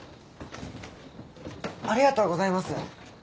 ありがとうございます。